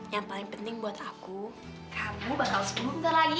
yang paling penting buat aku kamu bakal sepuluh enggak lagi